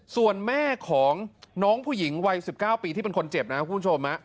ส่วนแม่ของน้องผู้หญิงวัย๑๙ปีที่เป็นคนเจ็บนะคุณผู้ชม